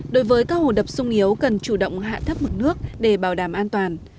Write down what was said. đối với các hồ đập sung yếu cần chủ động hạ thấp mực nước để bảo đảm an toàn